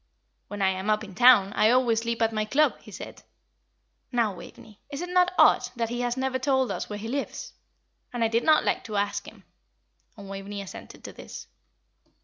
'When I am up in town, I always sleep at my club,' he said. Now, Waveney, is it not odd that he has never told us where he lives? And I did not like to ask him." And Waveney assented to this.